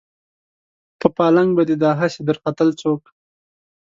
په پالنګ به دې دا هسې درختل څوک